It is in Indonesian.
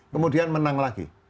kemudian menang lagi